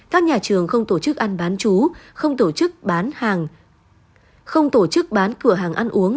các nhà trường không tổ chức ăn bán chú không tổ chức bán hàng không tổ chức bán cửa hàng ăn uống